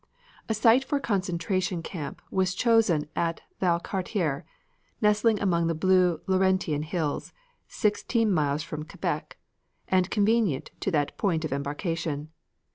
A site for a concentration camp was chosen at Valcartier, nestling among the blue Laurentian hills, sixteen miles from Quebec, and convenient to that point of embarkation.